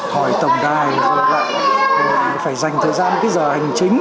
hỏi tổng đài phải dành thời gian giờ hành chính